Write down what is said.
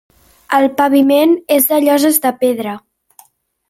El paviment és de lloses de pedra.